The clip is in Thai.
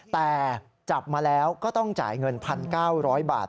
แต่จับมาแล้วก็ต้องจ่ายเงิน๑๙๐๐บาท